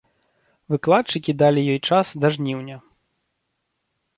Выкладчыкі далі ёй час да жніўня.